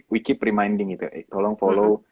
we keep reminding gitu ya tolong follow